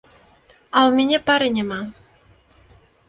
А ў мяне пары няма.